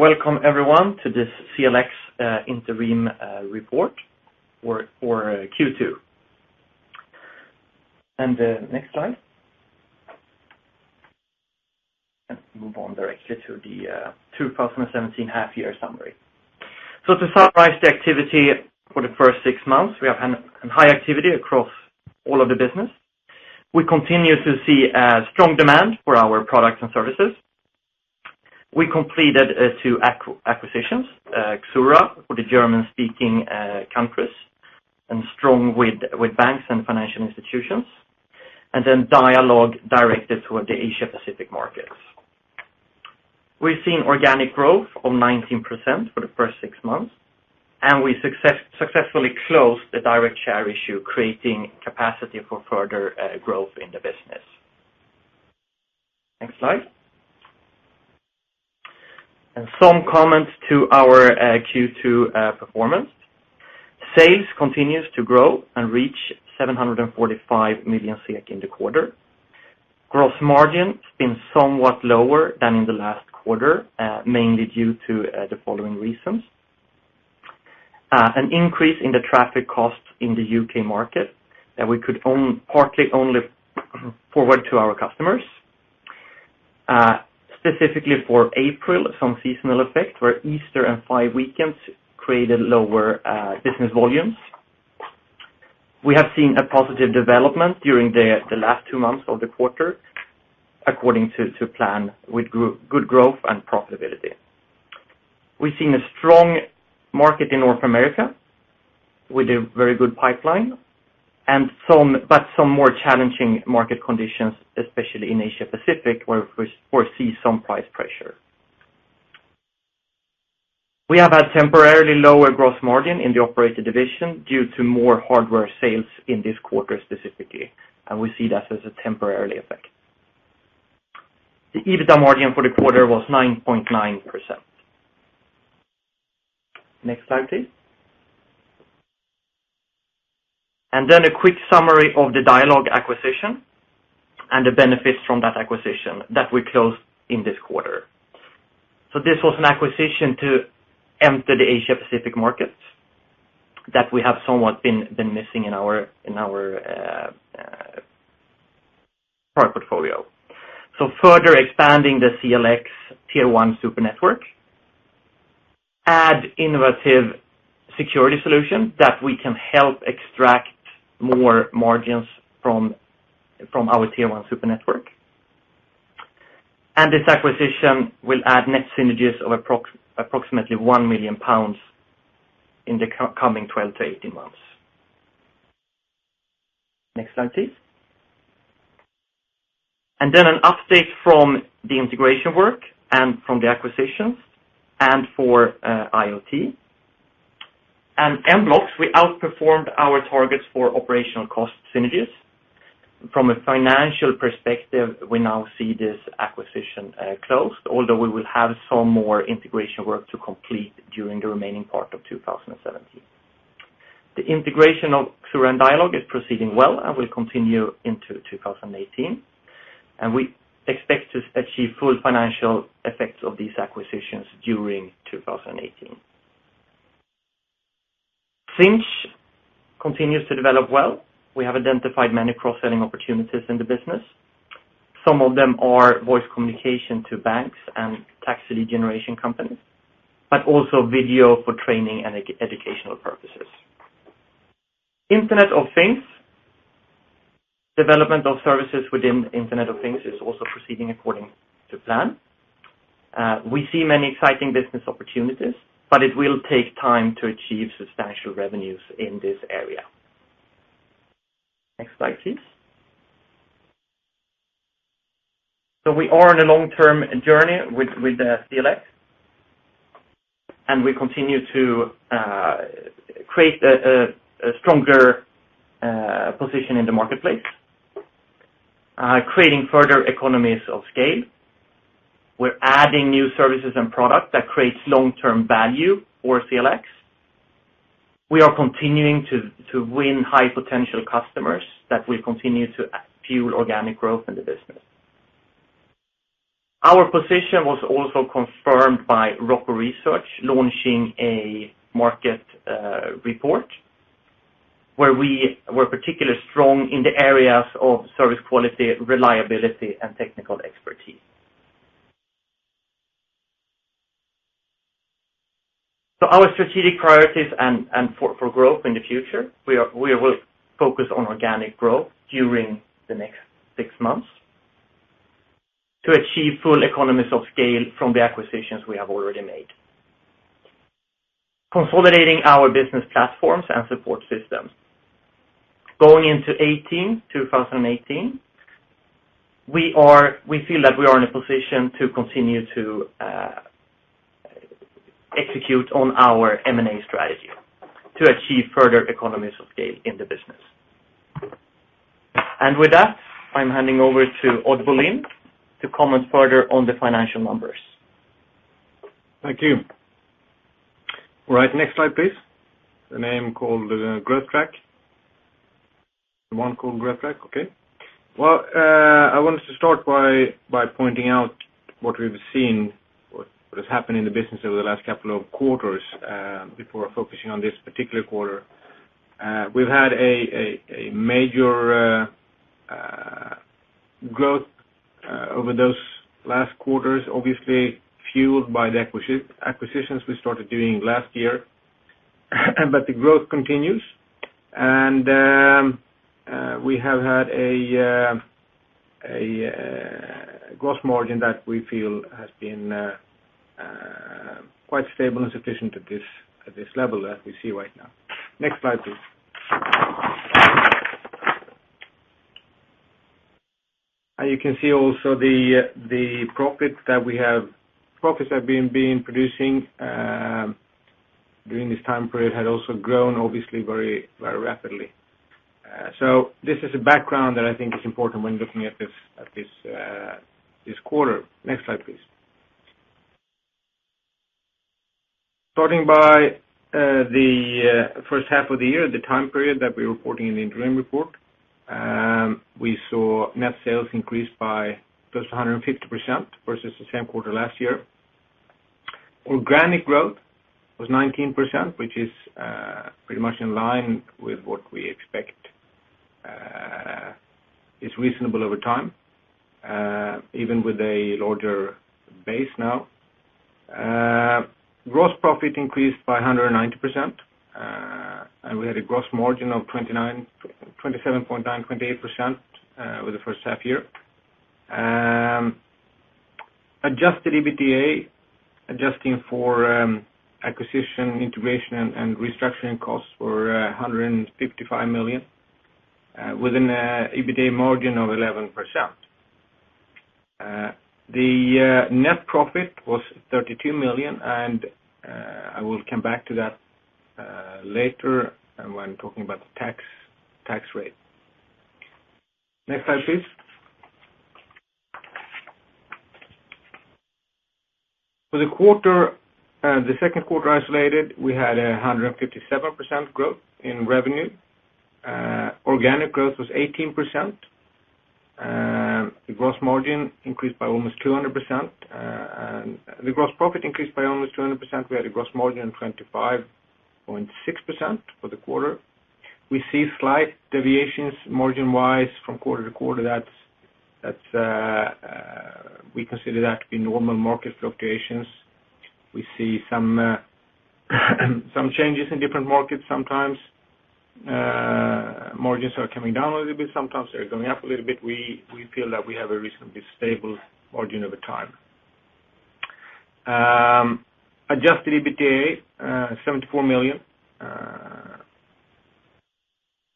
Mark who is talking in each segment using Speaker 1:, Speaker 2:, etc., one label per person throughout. Speaker 1: Welcome everyone to this CLX interim report for Q2. Next slide. Let's move on directly to the 2017 half year summary. To summarize the activity for the first six months, we have had high activity across all of the business. We continue to see a strong demand for our products and services. We completed two acquisitions, Xura, for the German-speaking countries, and strong with banks and financial institutions, then Dialogue directed toward the Asia-Pacific markets. We have seen organic growth of 19% for the first six months, and we successfully closed the direct share issue, creating capacity for further growth in the business. Next slide. Some comments to our Q2 performance. Sales continues to grow and reach 745 million SEK in the quarter. Gross margin been somewhat lower than in the last quarter, mainly due to the following reasons. An increase in the traffic costs in the U.K. market that we could partly only forward to our customers. Specifically for April, some seasonal effect where Easter and five weekends created lower business volumes. We have seen a positive development during the last two months of the quarter according to plan with good growth and profitability. We have seen a strong market in North America with a very good pipeline, but some more challenging market conditions, especially in Asia-Pacific, where we foresee some price pressure. We have had temporarily lower gross margin in the operator division due to more hardware sales in this quarter specifically, and we see that as a temporary effect. The EBITDA margin for the quarter was 9.9%. Next slide, please. A quick summary of the Dialogue acquisition and the benefits from that acquisition that we closed in this quarter. This was an acquisition to enter the Asia-Pacific markets that we have somewhat been missing in our product portfolio. Further expanding the CLX Tier 1 super network, add innovative security solution that we can help extract more margins from our Tier 1 super network. This acquisition will add net synergies of approximately 1 million pounds in the coming 12 to 18 months. Next slide, please. An update from the integration work and from the acquisitions and for IoT. Mblox, we outperformed our targets for operational cost synergies. From a financial perspective, we now see this acquisition closed, although we will have some more integration work to complete during the remaining part of 2017. The integration of Xura and Dialogue is proceeding well and will continue into 2018, and we expect to achieve full financial effects of these acquisitions during 2018. Sinch continues to develop well. We have identified many cross-selling opportunities in the business. Some of them are voice communication to banks and taxi generation companies, but also video for training and educational purposes. Internet of Things. Development of services within Internet of Things is also proceeding according to plan. We see many exciting business opportunities, but it will take time to achieve substantial revenues in this area. Next slide, please. We are on a long-term journey with CLX, and we continue to create a stronger position in the marketplace, creating further economies of scale. We are adding new services and product that creates long-term value for CLX. We are continuing to win high potential customers that will continue to fuel organic growth in the business. Our position was also confirmed by Juniper Research launching a market report where we were particularly strong in the areas of service quality, reliability, and technical expertise. Our strategic priorities and for growth in the future, we will focus on organic growth during the next six months to achieve full economies of scale from the acquisitions we have already made. Consolidating our business platforms and support systems. Going into 2018, we feel that we are in a position to continue to execute on our M&A strategy to achieve further economies of scale in the business. With that, I'm handing over to Odd Bolin to comment further on the financial numbers.
Speaker 2: Thank you. All right, next slide, please. The name called the growth track. One called [Reflec]. Okay. Well, I wanted to start by pointing out what we've seen, what has happened in the business over the last couple of quarters, before focusing on this particular quarter. We've had a major growth over those last quarters, obviously fueled by the acquisitions we started doing last year. The growth continues. We have had a gross margin that we feel has been quite stable and sufficient at this level that we see right now. Next slide, please. You can see also the profits that we have been producing during this time period had also grown obviously very rapidly. This is a background that I think is important when looking at this quarter. Next slide, please. Starting by the first half of the year, the time period that we're reporting in the interim report, we saw net sales increase by +150% versus the same quarter last year. Organic growth was 19%, which is pretty much in line with what we expect. It's reasonable over time, even with a larger base now. Gross profit increased by 190%, we had a gross margin of 27.9%-28% for the first half year. Adjusted EBITDA, adjusting for acquisition integration and restructuring costs were 155 million, within an EBITDA margin of 11%. The net profit was 32 million, I will come back to that later when talking about the tax rate. Next slide, please. For the second quarter isolated, we had 157% growth in revenue. Organic growth was 18%. The gross profit increased by almost 200%. We had a gross margin of 25.6% for the quarter. We see slight deviations margin-wise from quarter to quarter. We consider that to be normal market fluctuations. We see some changes in different markets sometimes. Margins are coming down a little bit. Sometimes they're going up a little bit. We feel that we have a reasonably stable margin over time. Adjusted EBITDA, SEK 74 million.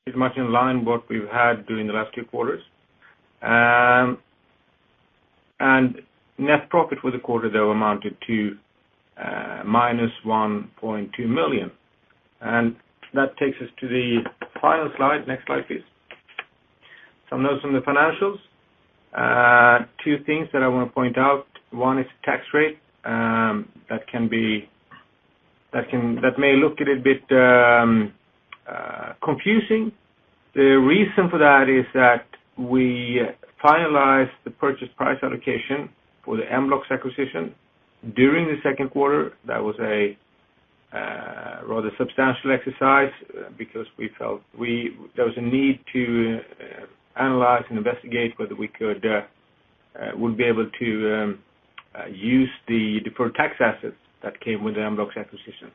Speaker 2: It's much in line what we've had during the last two quarters. Net profit for the quarter, though, amounted to -1.2 million. That takes us to the final slide. Next slide, please. Some notes on the financials. Two things that I want to point out. One is tax rate. That may look a little bit confusing. The reason for that is that we finalized the purchase price allocation for the Mblox acquisition during the second quarter. That was a rather substantial exercise because we felt there was a need to analyze and investigate whether we would be able to use the deferred tax assets that came with the Mblox acquisition.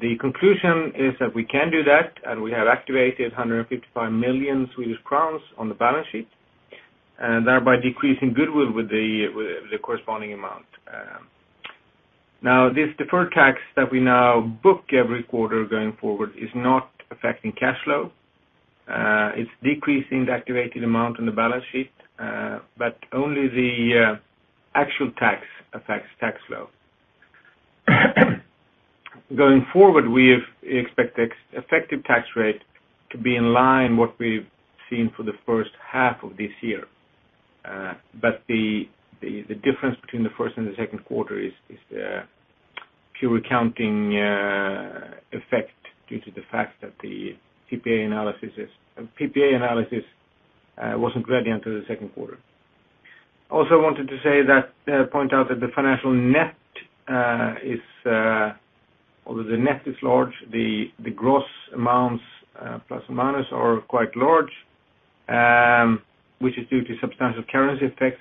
Speaker 2: The conclusion is that we can do that, and we have activated 155 million Swedish crowns on the balance sheet, and thereby decreasing goodwill with the corresponding amount. This deferred tax that we now book every quarter going forward is not affecting cash flow. It's decreasing the activated amount on the balance sheet, but only the actual tax affects tax flow. Going forward, we expect the effective tax rate to be in line what we've seen for the first half of this year. The difference between the first and the second quarter is the pure accounting effect due to the fact that the PPA analysis wasn't ready until the second quarter. Also wanted to point out that although the net is large, the gross amounts, plus or minus, are quite large, which is due to substantial currency effects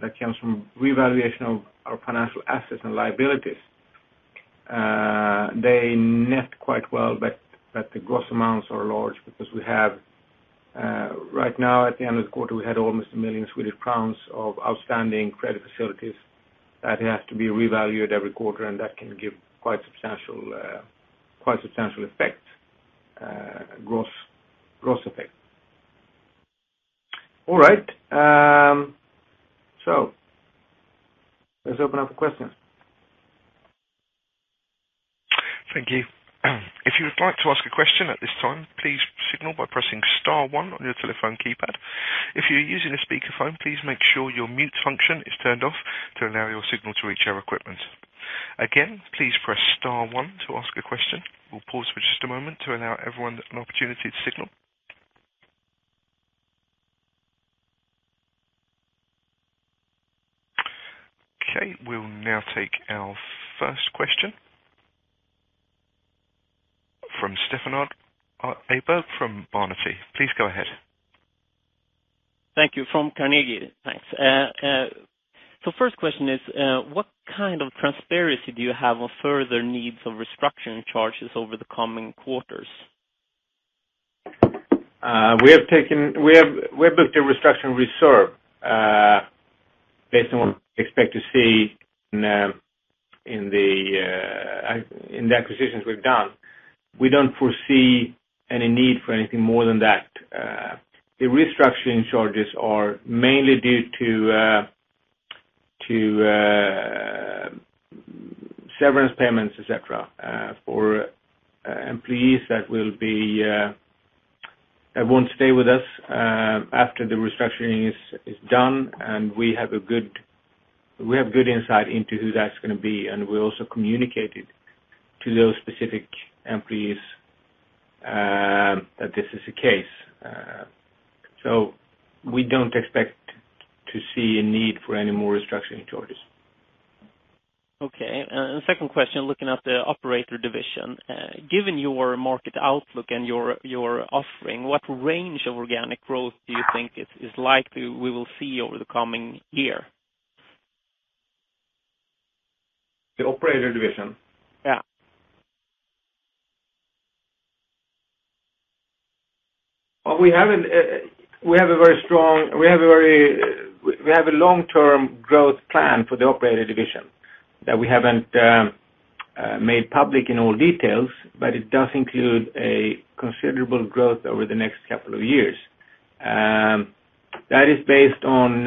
Speaker 2: that comes from revaluation of our financial assets and liabilities. They net quite well, but the gross amounts are large because right now at the end of the quarter, we had almost 1 billion Swedish crowns of outstanding credit facilities that have to be revalued every quarter, and that can give quite substantial effects, gross effects. All right. Let's open up for questions.
Speaker 3: Thank you. If you would like to ask a question at this time, please signal by pressing star one on your telephone keypad. If you're using a speakerphone, please make sure your mute function is turned off to allow your signal to reach our equipment. Again, please press star one to ask a question. We'll pause for just a moment to allow everyone an opportunity to signal. We'll now take our first question from Stefan Åberg from Carnegie. Please go ahead.
Speaker 4: Thank you from Carnegie. Thanks. First question is, what kind of transparency do you have on further needs of restructuring charges over the coming quarters?
Speaker 2: We have booked a restructuring reserve based on what we expect to see in the acquisitions we've done. We don't foresee any need for anything more than that. The restructuring charges are mainly due to severance payments, et cetera, for employees that won't stay with us after the restructuring is done, and we have good insight into who that's going to be, and we also communicated to those specific employees that this is the case. We don't expect to see a need for any more restructuring charges.
Speaker 4: Okay. Second question, looking at the operator division. Given your market outlook and your offering, what range of organic growth do you think is likely we will see over the coming year?
Speaker 2: The operator division?
Speaker 4: Yeah.
Speaker 2: We have a long-term growth plan for the operator division that we haven't made public in all details, but it does include a considerable growth over the next couple of years. That is based on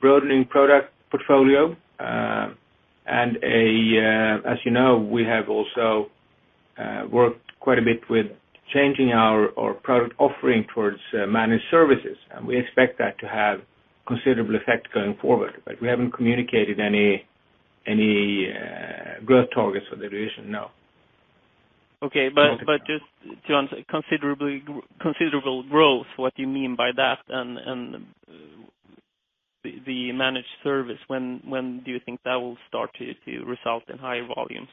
Speaker 2: broadening product portfolio, and as you know, we have also worked quite a bit with changing our product offering towards managed services. We expect that to have considerable effect going forward, but we haven't communicated any growth targets for the division, no.
Speaker 4: Okay, just to answer, considerable growth, what do you mean by that, and the managed service, when do you think that will start to result in higher volumes?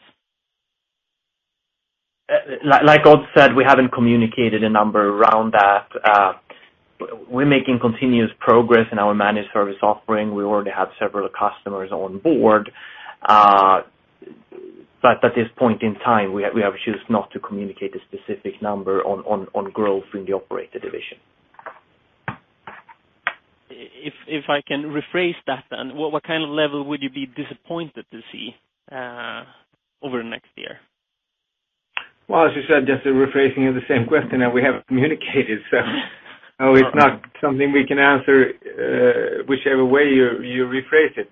Speaker 1: Like Odd said, we haven't communicated a number around that. We're making continuous progress in our managed service offering. We already have several customers on board. At this point in time, we have chosen not to communicate a specific number on growth in the operator division.
Speaker 4: If I can rephrase that, what kind of level would you be disappointed to see over next year?
Speaker 2: Well, as you said, just a rephrasing of the same question that we haven't communicated, it's not something we can answer whichever way you rephrase it.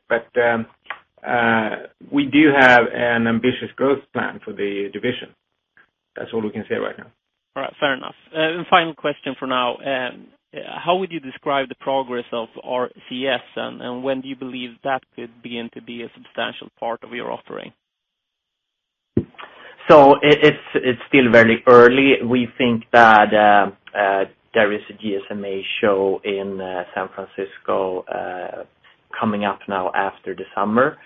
Speaker 2: We do have an ambitious growth plan for the division. That's all we can say right now.
Speaker 4: All right. Fair enough. Final question for now. How would you describe the progress of RCS, and when do you believe that could begin to be a substantial part of your offering?
Speaker 1: It's still very early. We think that there is a GSMA show in San Francisco coming up now after the summer.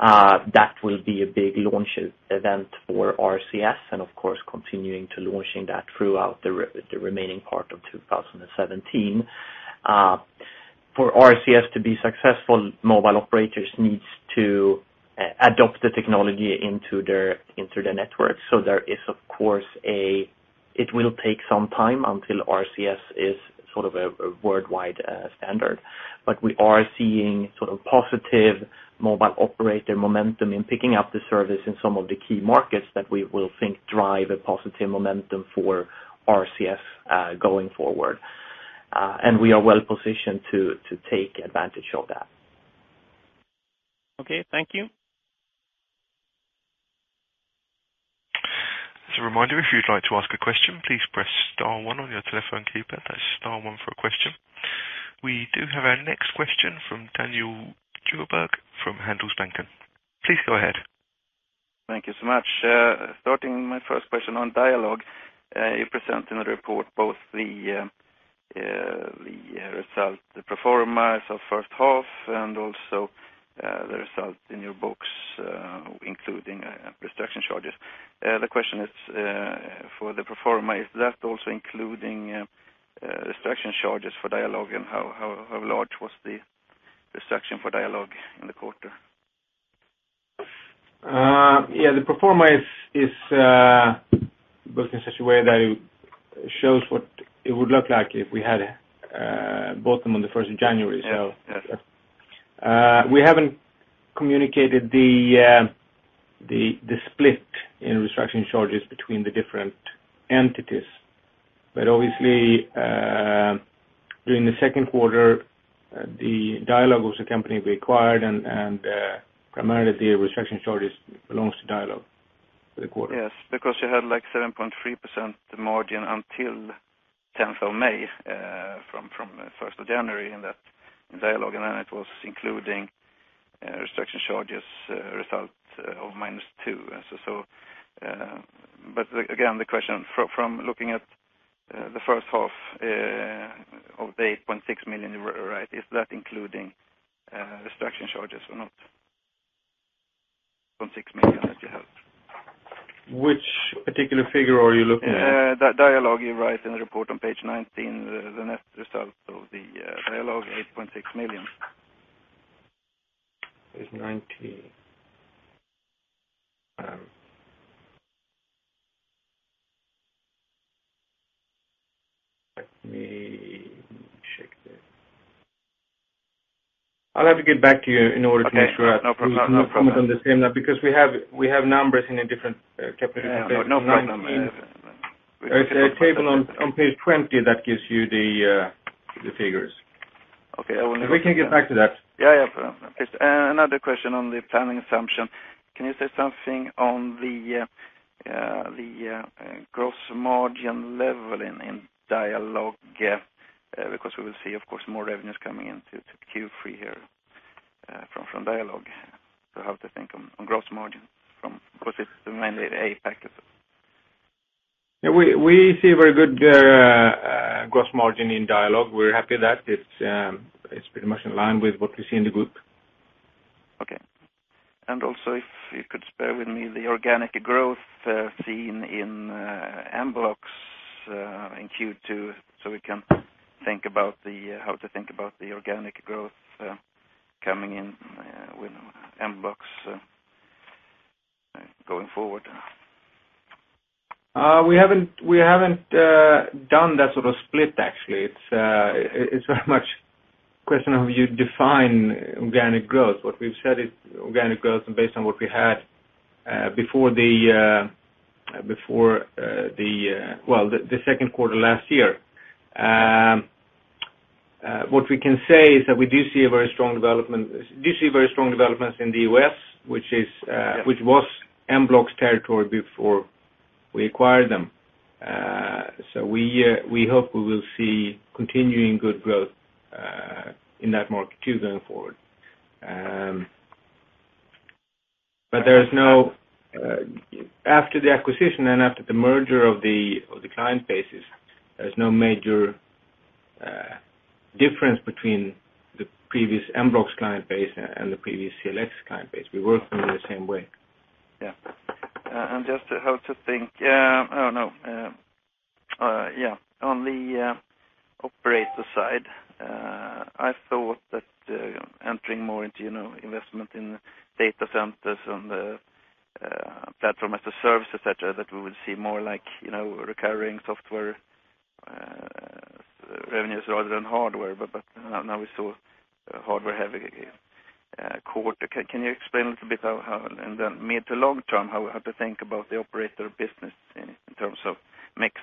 Speaker 1: That will be a big launch event for RCS and, of course, continuing to launching that throughout the remaining part of 2017. For RCS to be successful, mobile operators need to adopt the technology into their networks. There is, of course, it will take some time until RCS is sort of a worldwide standard. We are seeing sort of positive mobile operator momentum in picking up the service in some of the key markets that we will think drive a positive momentum for RCS going forward. We are well positioned to take advantage of that.
Speaker 4: Okay. Thank you.
Speaker 3: As a reminder, if you'd like to ask a question, please press star one on your telephone keypad. That's star one for a question. We do have our next question from Daniel Sjöberg from Handelsbanken. Please go ahead.
Speaker 5: Thank you so much. Starting my first question on Dialogue. You present in the report both the result, the pro forma as of first half, and also the result in your books, including restructuring charges. The question is, for the pro forma, is that also including restructuring charges for Dialogue, and how large was the restructuring for Dialogue in the quarter?
Speaker 2: The pro forma is booked in such a way that it shows what it would look like if we had bought them on the 1st of January.
Speaker 5: Yeah.
Speaker 2: We haven't communicated the split in restructuring charges between the different entities. Obviously, during the second quarter, Dialogue was a company we acquired, and primarily the restructuring charges belongs to Dialogue.
Speaker 5: Yes, you had 7.3% margin until 10th of May, from 1st of January in Dialogue, and then it was including restructuring charges result of -2%. Again, the question, from looking at the first half of the 8.6 million, is that including restructuring charges or not? 6.6 million that you have.
Speaker 2: Which particular figure are you looking at?
Speaker 5: Dialogue, you write in the report on page 19, the net result of the Dialogue, 8.6 million.
Speaker 2: Page 19. Let me check that. I'll have to get back to you in order to make sure.
Speaker 5: Okay. No problem.
Speaker 2: Because we have numbers in a different capital.
Speaker 5: No problem.
Speaker 2: There is a table on page 20 that gives you the figures.
Speaker 5: Okay.
Speaker 2: We can get back to that.
Speaker 5: Yeah, no problem. Another question on the planning assumption. Can you say something on the gross margin level in Dialogue? We will see, of course, more revenues coming into Q3 here from Dialogue. How to think on gross margin from, because it's mainly a package.
Speaker 2: We see very good gross margin in Dialogue. We're happy that it's pretty much in line with what we see in the group.
Speaker 5: Okay. Also, if you could spare with me the organic growth seen in Mblox in Q2, we can think about how to think about the organic growth coming in with Mblox going forward.
Speaker 2: We haven't done that sort of split, actually. It's very much a question of you define organic growth. What we've said is organic growth based on what we had before the second quarter last year. What we can say is that we do see a very strong developments in the U.S., which was Mblox territory before we acquired them. We hope we will see continuing good growth, in that market too, going forward. After the acquisition and after the merger of the client bases, there's no major difference between the previous Mblox client base and the previous CLX client base. We work with them the same way.
Speaker 5: Just how to think. On the operator side, I thought that entering more into investment in data centers and platform as a service, et cetera, that we would see more recurring software revenues rather than hardware, but now we saw a hardware-heavy quarter. Can you explain a little bit how in the mid to long term how we have to think about the operator business in terms of mix?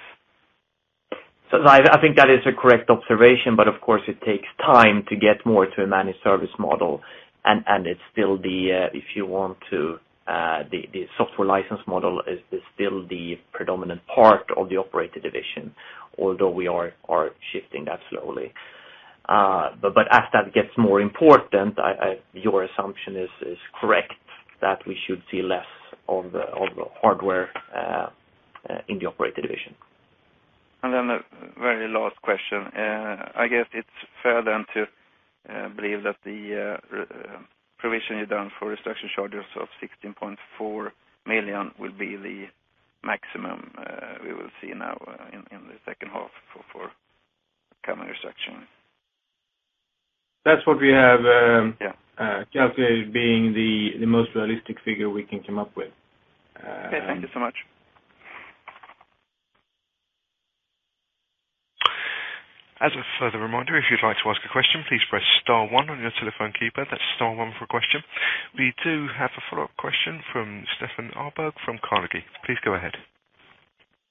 Speaker 1: I think that is a correct observation, but of course, it takes time to get more to a managed service model, and the software license model is still the predominant part of the operator division, although we are shifting that slowly. As that gets more important, your assumption is correct that we should see less of the hardware in the operator division.
Speaker 5: The very last question. I guess it's fair then to believe that the provision you've done for restructuring charges of 16.4 million will be the maximum we will see now in the second half for coming restructuring.
Speaker 2: That's what we have-
Speaker 5: Yeah
Speaker 2: calculated being the most realistic figure we can come up with.
Speaker 5: Okay. Thank you so much.
Speaker 3: As a further reminder, if you'd like to ask a question, please press star one on your telephone keypad. That's star one for a question. We do have a follow-up question from Stefan Åberg from Carnegie. Please go ahead.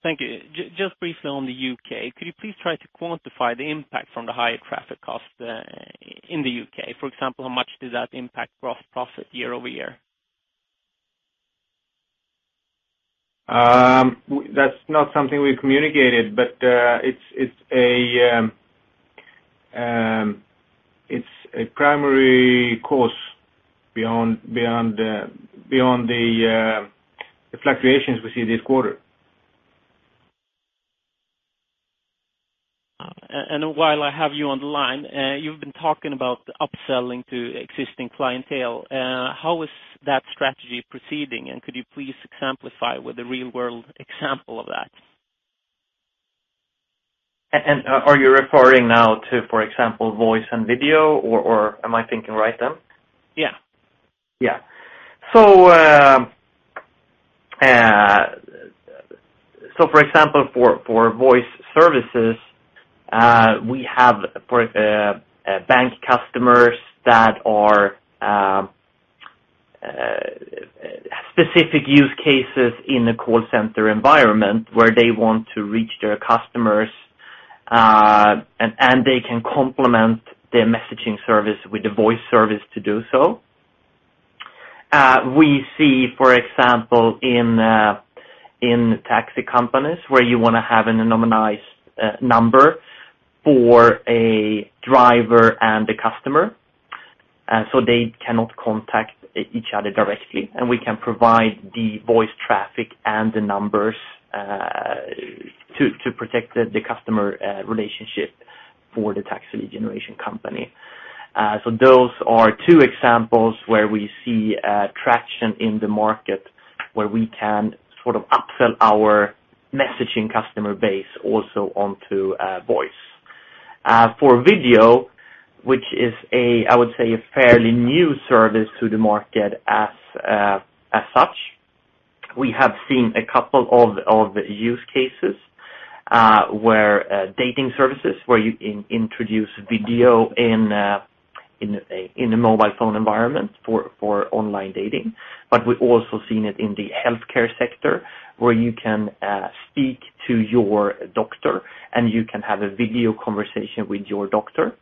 Speaker 4: Thank you. Just briefly on the U.K., could you please try to quantify the impact from the higher traffic cost in the U.K.? For example, how much does that impact gross profit year-over-year?
Speaker 2: That's not something we communicated, but it's a primary cause beyond the fluctuations we see this quarter.
Speaker 4: While I have you on the line, you've been talking about upselling to existing clientele. How is that strategy proceeding, and could you please exemplify with a real-world example of that?
Speaker 1: Are you referring now to, for example, voice and video, or am I thinking right then?
Speaker 4: Yeah.
Speaker 1: Yeah. For example, for voice services, we have bank customers that are specific use cases in a call center environment where they want to reach their customers. They can complement their messaging service with the voice service to do so. We see, for example, in taxi companies where you want to have an anonymized number for a driver and the customer, so they cannot contact each other directly, and we can provide the voice traffic and the numbers to protect the customer relationship for the taxi generation company. Those are two examples where we see traction in the market where we can sort of upsell our messaging customer base also onto voice. For video, which is, I would say, a fairly new service to the market as such. We have seen a couple of use cases, where dating services, where you introduce video in a mobile phone environment for online dating, but we've also seen it in the healthcare sector, where you can speak to your doctor, and you can have a video conversation with your doctor.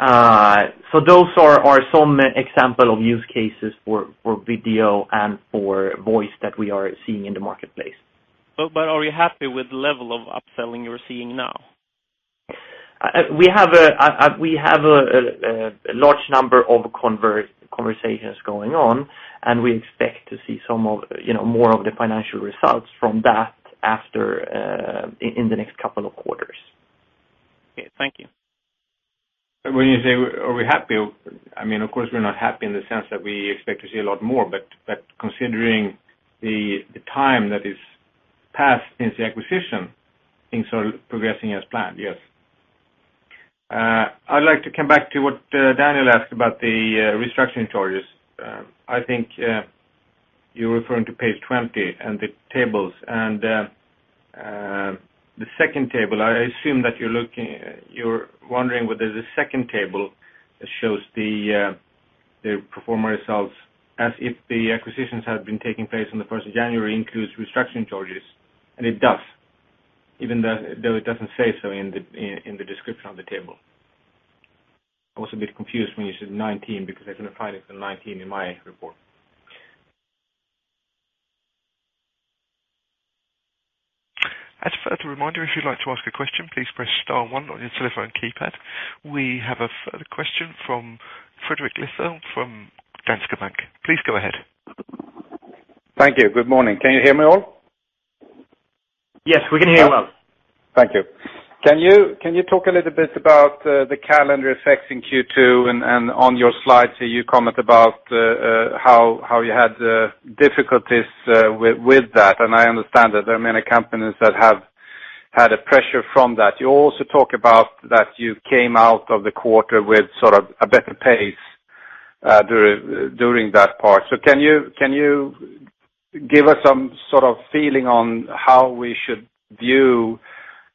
Speaker 1: Those are some example of use cases for video and for voice that we are seeing in the marketplace.
Speaker 4: Are you happy with the level of upselling you're seeing now?
Speaker 1: We have a large number of conversations going on, and we expect to see more of the financial results from that in the next couple of quarters.
Speaker 4: Okay. Thank you.
Speaker 2: When you say are we happy, of course, we're not happy in the sense that we expect to see a lot more, but considering the time that is passed since the acquisition, things are progressing as planned, yes. I'd like to come back to what Daniel asked about the restructuring charges. I think you're referring to page 20 and the tables. The second table, I assume that you're wondering whether the second table shows the pro forma results as if the acquisitions had been taking place on the 1st of January includes restructuring charges, and it does, even though it doesn't say so in the description on the table. I was a bit confused when you said 19 because I couldn't find it in 19 in my report.
Speaker 3: As a further reminder, if you'd like to ask a question, please press star one on your telephone keypad. We have a further question from Fredrik Lithell from Danske Bank. Please go ahead.
Speaker 6: Thank you. Good morning. Can you hear me all?
Speaker 1: Yes, we can hear you well.
Speaker 6: Thank you. Can you talk a little bit about the calendar effects in Q2, on your slides here, you comment about how you had difficulties with that. I understand that there are many companies that have had a pressure from that. You also talk about that you came out of the quarter with sort of a better pace during that part. Can you give us some sort of feeling on how we should view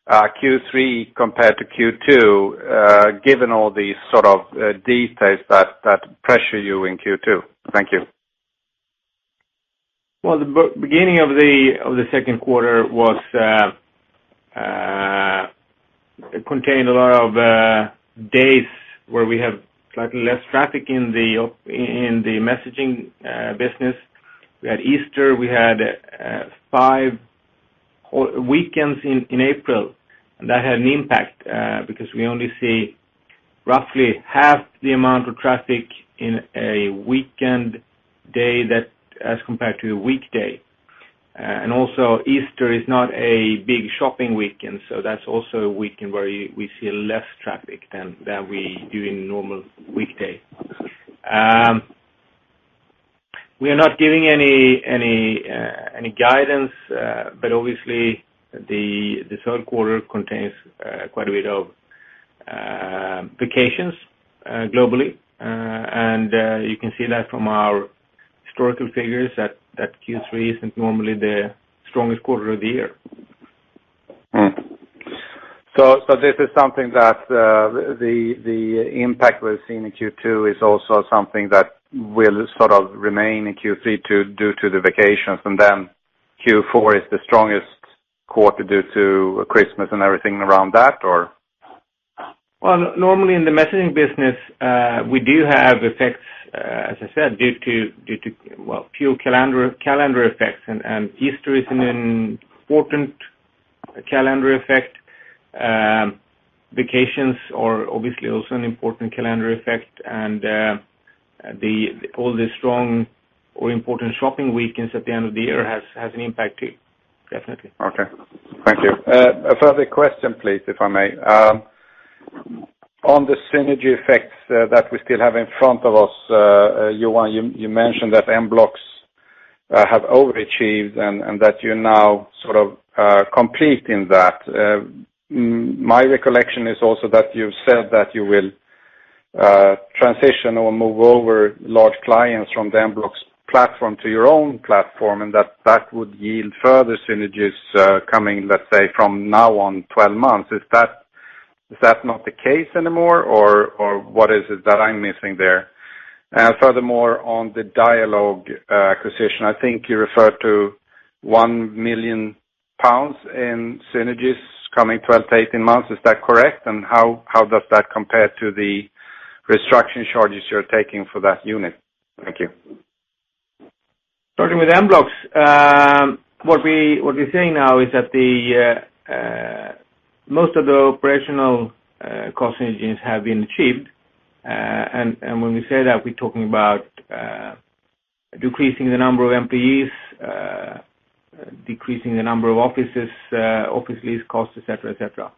Speaker 6: Q3 compared to Q2 given all these sort of details that pressure you in Q2? Thank you.
Speaker 2: Well, the beginning of the second quarter contained a lot of days where we have slightly less traffic in the messaging business. We had Easter, we had five weekends in April, and that had an impact, because we only see roughly half the amount of traffic in a weekend day as compared to a weekday. Easter is not a big shopping weekend, so that's also a weekend where we see less traffic than we do in a normal weekday. We are not giving any guidance, but obviously, the third quarter contains quite a bit of vacations globally. You can see that from our historical figures that Q3 isn't normally the strongest quarter of the year.
Speaker 6: This is something that the impact we're seeing in Q2 is also something that will sort of remain in Q3 due to the vacations. Q4 is the strongest quarter due to Christmas and everything around that, or?
Speaker 2: Well, normally in the messaging business, we do have effects, as I said, due to pure calendar effects. Easter is an important calendar effect. Vacations are obviously also an important calendar effect. All the strong or important shopping weekends at the end of the year has an impact too. Definitely.
Speaker 6: Okay. Thank you. A further question, please, if I may. On the synergy effects that we still have in front of us, Johan, you mentioned that Mblox have overachieved and that you're now sort of completing that. My recollection is also that you've said that you will transition or move over large clients from the Mblox platform to your own platform, and that would yield further synergies coming, let's say, from now on 12 months. Is that not the case anymore? Or what is it that I'm missing there? Furthermore, on the Dialogue acquisition, I think you referred to 1 million pounds in synergies coming 12-18 months. Is that correct? And how does that compare to the restructuring charges you're taking for that unit? Thank you.
Speaker 2: Starting with Mblox. What we're saying now is that most of the operational cost engines have been achieved. When we say that, we're talking about decreasing the number of employees, decreasing the number of office lease costs, et cetera.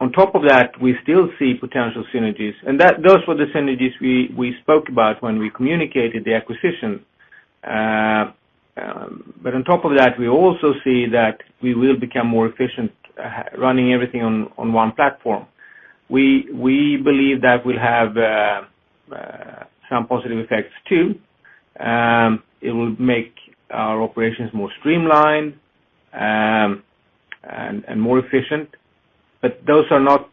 Speaker 2: On top of that, we still see potential synergies, and those were the synergies we spoke about when we communicated the acquisition. On top of that, we also see that we will become more efficient running everything on one platform. We believe that will have some positive effects too. It will make our operations more streamlined and more efficient. Those are not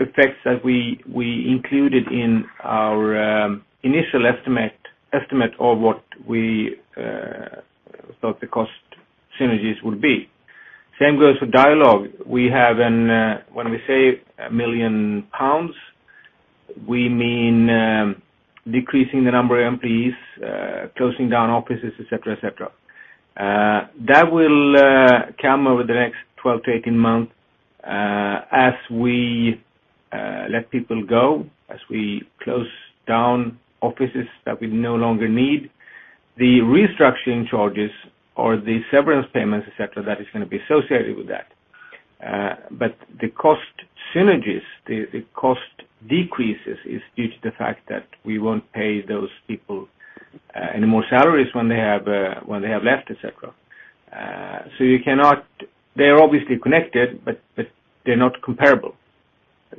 Speaker 2: effects that we included in our initial estimate of what we thought the cost synergies would be. Same goes for Dialogue. When we say 1 million pounds, we mean decreasing the number of employees, closing down offices, et cetera. That will come over the next 12-18 months as we let people go, as we close down offices that we no longer need. The restructuring charges or the severance payments, et cetera, that is going to be associated with that. The cost synergies, the cost decreases, is due to the fact that we won't pay those people any more salaries when they have left, et cetera. They are obviously connected, but they're not comparable.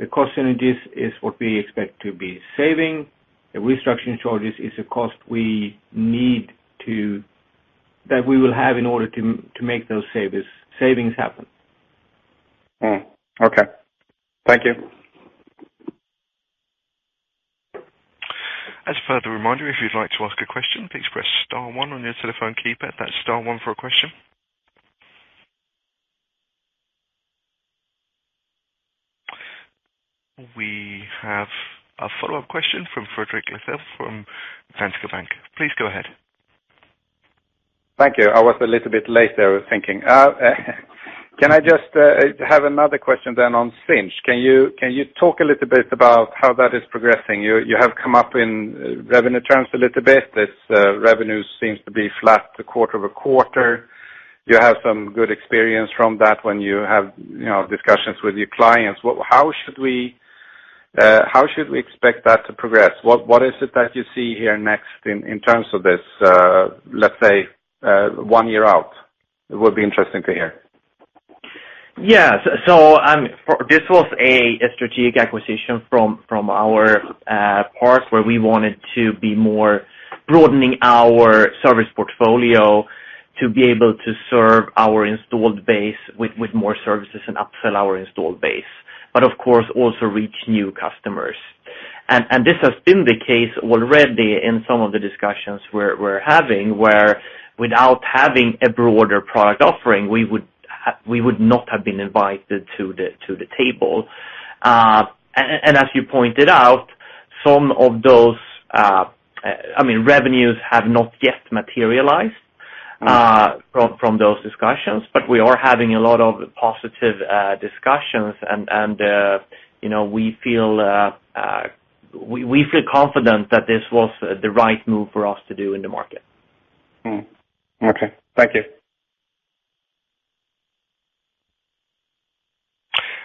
Speaker 2: The cost synergies is what we expect to be saving. The restructuring charges is a cost that we will have in order to make those savings happen.
Speaker 6: Okay. Thank you.
Speaker 3: As further reminder, if you'd like to ask a question, please press star one on your telephone keypad. That's star one for a question. We have a follow-up question from Fredrik Lithell from Danske Bank. Please go ahead.
Speaker 6: Thank you. I was a little bit late there thinking. Can I just have another question then on Sinch? Can you talk a little bit about how that is progressing? You have come up in revenue terms a little bit. This revenue seems to be flat quarter-over-quarter. You have some good experience from that when you have discussions with your clients. How should we expect that to progress? What is it that you see here next in terms of this, let's say, one year out? It would be interesting to hear.
Speaker 2: Yeah. This was a strategic acquisition from our part, where we wanted to be more broadening our service portfolio to be able to serve our installed base with more services and upsell our installed base, of course, also reach new customers. This has been the case already in some of the discussions we're having, where without having a broader product offering, we would not have been invited to the table. As you pointed out, some of those revenues have not yet materialized from those discussions. We are having a lot of positive discussions, and we feel confident that this was the right move for us to do in the market.
Speaker 6: Okay. Thank you.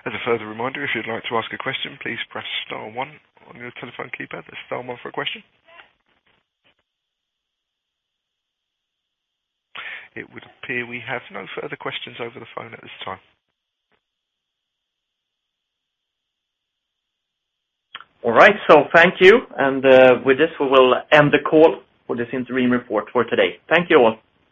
Speaker 3: As a further reminder, if you'd like to ask a question, please press star one on your telephone keypad. That's star one for a question. It would appear we have no further questions over the phone at this time.
Speaker 2: All right. Thank you. With this, we will end the call for this interim report for today. Thank you all.